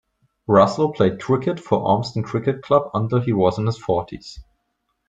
Russell played cricket for Urmston Cricket club until he was in his forties.